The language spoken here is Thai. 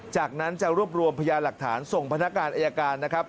จากนั้นจะรวบรวมพยาหลักฐานส่งพนักงานอายการนะครับ